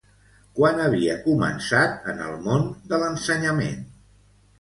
Quan havia començat en el món de l'ensenyament?